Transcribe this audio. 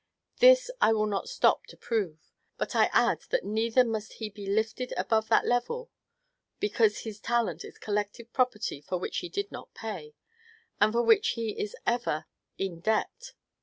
This I will not stop to prove. But I add that neither must he be lifted above that level; because his talent is collective property for which he did not pay, and for which he is ever in debt.